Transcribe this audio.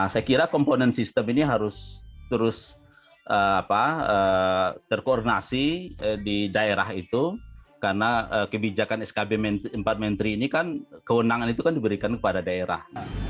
saya kira komponen sistem ini harus terus terkoordinasi di daerah itu karena kebijakan skb empat menteri ini kan kewenangan itu kan diberikan kepada daerah